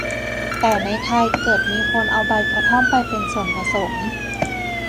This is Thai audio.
แต่ในไทยเกิดมีคนเอาใบกระท่อมไปเป็นส่วนผสม